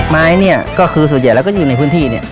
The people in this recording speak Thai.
ไม้เนี่ยก็คือส่วนใหญ่แล้วก็อยู่ในพื้นที่เนี่ย